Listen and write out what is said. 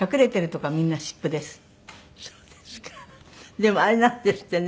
でもあれなんですってね。